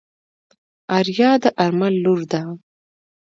آريا د آرمل لور ده.